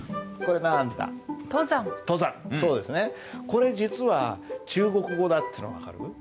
これ実は中国語だっていうの分かる？